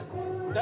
誰？